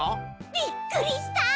びっくりした？